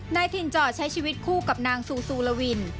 นายถิ่นจอดใช้ชีวิตคู่กับนางซูซูลวิน